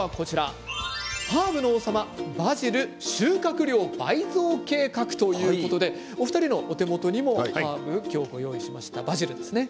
ハーブの王様、バジル収穫量倍増計画ということでお二人のお手元にもハーブを今日ご用意しましたバジルですね。